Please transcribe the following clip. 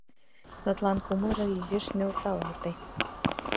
Садлан кумылжо изиш нӧлталте.